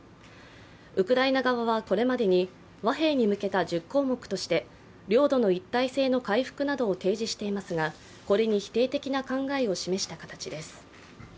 ウクライナ側はこれまでに和平に向けた１０項目として領土の一体性の回復などを提示していますがこれに否定的な考えを示した形です。